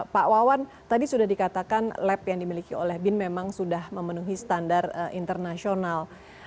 pak wawan tadi sudah dikatakan lab yang dimiliki oleh bin memang sudah memenuhi standar internasional